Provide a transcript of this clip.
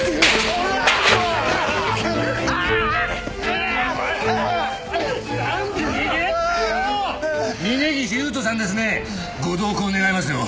ご同行願いますよ。